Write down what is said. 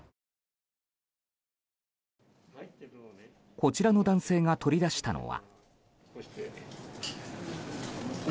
こちらの男性が取り出したのは。